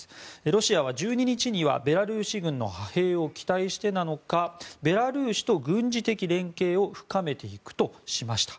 ロシアは１２日にはベラルーシ軍の派兵を期待してなのかベラルーシと軍事的連携を深めていくとしました。